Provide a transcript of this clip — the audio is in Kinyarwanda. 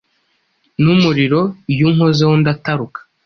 n' umuriro iyo unkozeho ndataruka